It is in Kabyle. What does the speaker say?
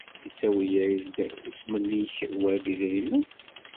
Ittawi-yak-d usmel-ik web idrimen?